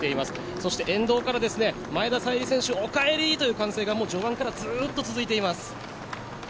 そして沿道から前田彩里選手、お帰りという歓声がもう序盤からずっと続いています。